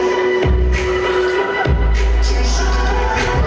สวัสดีครับ